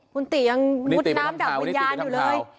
คุณติยังมุดน้ำดับวิญญาณอยู่เลย